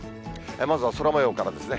まずは空もようからですね。